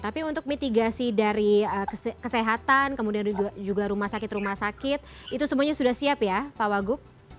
jadi ini sudah diberikan kemampuan untuk kemampuan kesehatan kemudian juga rumah sakit rumah sakit itu semuanya sudah siap ya pak wagub